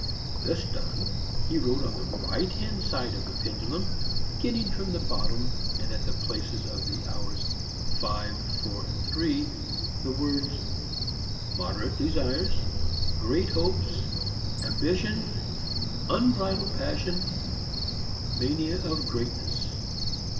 This done, he wrote on the right hand side of the pendulum, beginning from the bottom and at the places of the hours V, IV, III, the words Moderate Desires Great Hopes, Ambition Unbridled Passion, Mania of Greatness.